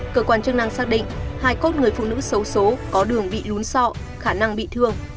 cơ quan chức năng xác định hai cốt người phụ nữ xấu xố có đường bị lún sọ khả năng bị thương